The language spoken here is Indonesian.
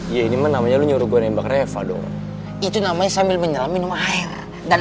ya ini namanya lu nyuruh gue nembak reva dong itu namanya sambil menyalam minum air dan